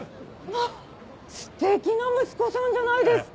まぁステキな息子さんじゃないですか。